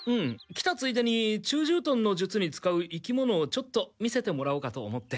来たついでに虫獣の術に使う生き物をちょっと見せてもらおうかと思って。